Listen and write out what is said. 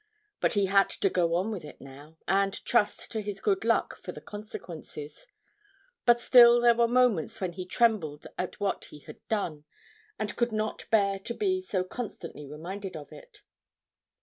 But he had to go on with it now, and trust to his good luck for the consequences; but still there were moments when he trembled at what he had done, and could not bear to be so constantly reminded of it.